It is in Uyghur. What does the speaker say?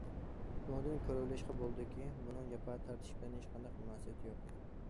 بۇنىڭدىن كۆرۈۋېلىشقا بولىدۇكى، بۇنىڭ جاپا تارتىش بىلەن ھېچقانداق مۇناسىۋىتى يوق.